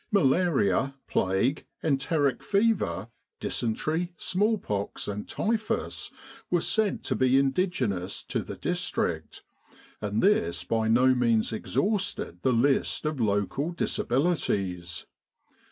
Malaria, plague, enteric fever, dysentery, smallpox, and typhus were said to be indigenous to the district, and this by no means exhausted the list of local disabilities.